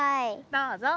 どうぞ。